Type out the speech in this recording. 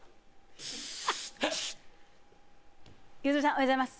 おはようございます。